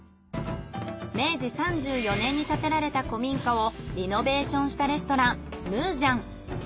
明治３４年に建てられた古民家をリノベーションしたレストラン夢時庵。